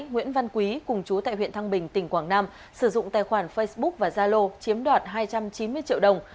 nguyễn văn quý cùng chú tại huyện thăng bình tỉnh quảng nam sử dụng tài khoản facebook và zalo chiếm đoạt hai trăm chín mươi triệu đồng